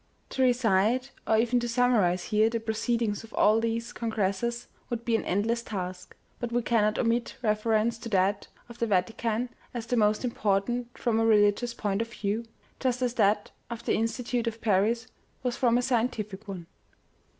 To re cite, or even to summarize here the proceedings of all these congresses would be an endless task, but we cannot omit reference to that of the Vatican as the most impor tant from a religious point of view, just as that of the In stitute of Paris^ was from a scientific one.